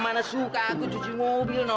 iya mana suka aku cuci mobil non